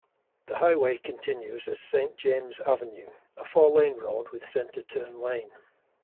The highway continues as Saint James Avenue, a four-lane road with center turn lane.